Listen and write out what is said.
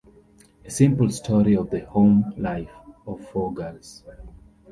A simple story of the home life of four girls.